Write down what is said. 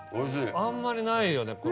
あんまりないよね